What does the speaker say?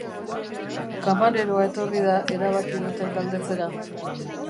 Kamareroa etorri da erabaki duten galdetzera.